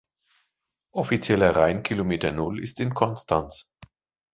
Offizieller Rheinkilometer „Null“ ist in Konstanz.